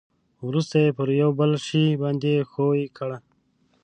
ورسته یې پر یو بل شي باندې ښوي کړئ.